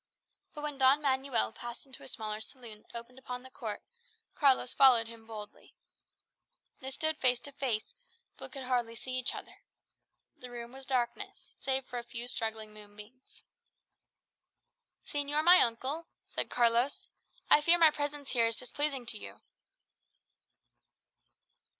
But when Don Manuel passed into a smaller saloon that opened upon the court, Carlos followed him boldly. They stood face to face, but could hardly see each other. The room was darkness, save for a few struggling moonbeams. "Señor my uncle," said Carlos, "I fear my presence here is displeasing to you."